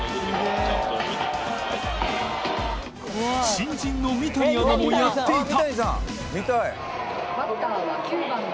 新人の三谷アナもやっていた